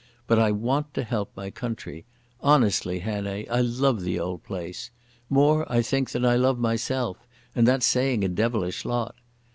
But I want to help my country. Honestly, Hannay, I love the old place. More, I think, than I love myself, and that's saying a devilish lot.